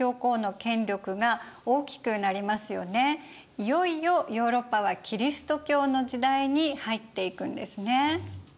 いよいよヨーロッパはキリスト教の時代に入っていくんですね。